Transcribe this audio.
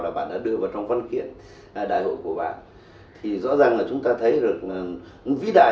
là bạn đã đưa vào trong văn kiện đại hội của bạn